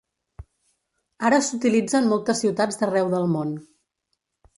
Ara s'utilitza en moltes ciutats d'arreu del món.